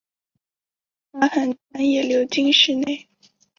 阿寒川也流经市内。